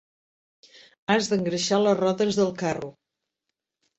Has d'engreixar les rodes del carro.